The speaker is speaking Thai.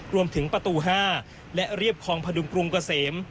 รวมถึงประตู๕และเรียบคลองพดุงกรุงเกษม